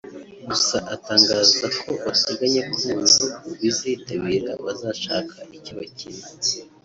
gusa atangaza ko bateganya ko mu bihugu bizitabira bazashaka icyo bakina